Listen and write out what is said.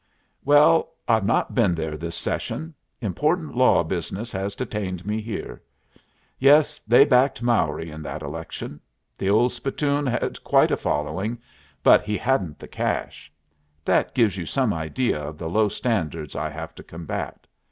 "Well, I've not been there this session. Important law business has detained me here. Yes, they backed Mowry in that election. The old spittoon had quite a following, but he hadn't the cash. That gives you some idea of the low standards I have to combat.